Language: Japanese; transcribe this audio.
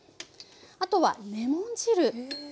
あとはレモン汁。